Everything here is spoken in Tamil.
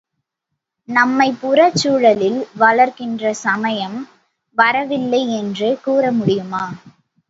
நம்மைப்புறச் சூழலில் வளர்க்கின்ற சமயம் வளரவில்லை என்று கூற முடியுமா?